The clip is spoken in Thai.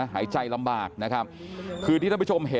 พี่สาวของเธอบอกว่ามันเกิดอะไรขึ้นกับพี่สาวของเธอ